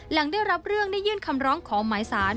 หลังได้รับเรื่องได้ยื่นคำร้องขอหมายสาร